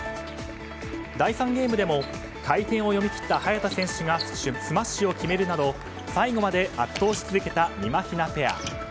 第３ゲームでも回転を読み切った早田選手がスマッシュを決めるなど最後まで圧倒し続けたみまひなペア。